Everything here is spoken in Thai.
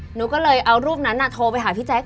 หนูก็เลยเอารูปนั้นโทรไปหาพี่แจ๊ค